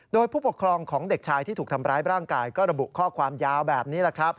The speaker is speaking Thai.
โดยผู้ปกครองของเด็กชายที่ถูกทำร้ายร่างกายก็ระบุข้อความยาวแบบนี้แหละครับ